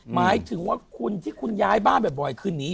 หมายถึงว่าคุณที่คุณย้ายบ้านบ่อยคืนนี้